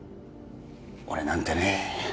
俺なんてね